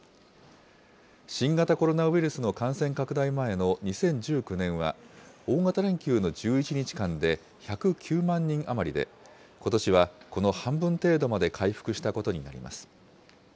新型コロナウイルスの感染拡大前の２０１９年は大型連休の１１日間で１０９万人余りで、ことしはこの半分程度まで回復したことになります。